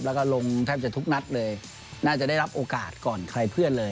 แล้วก็ลงแทบจะทุกนัดเลยน่าจะได้รับโอกาสก่อนใครเพื่อนเลย